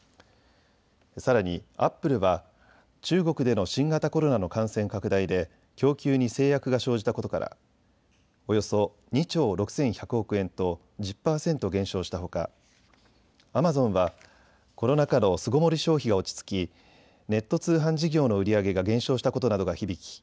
さらにアップルは中国での新型コロナの感染拡大で供給に制約が生じたことからおよそ２兆６１００億円と１０％減少したほか、アマゾンはコロナ禍の巣ごもり消費が落ち着き、ネット通販事業の売り上げが減少したことなどが響き